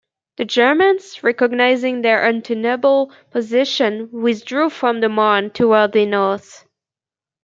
The Germans, recognising their untenable position, withdrew from the Marne towards the north.